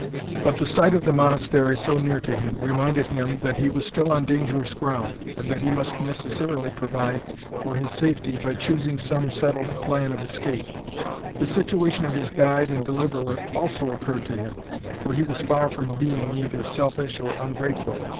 But the sight of the Monastery so near to him, reminded, him that he was still on dangerous ground, and that he must necessarily provide for his safety by choosing some settled plan of escape. The situation of his guide and deliverer also occurred to him, for he was far from being either selfish or ungrateful.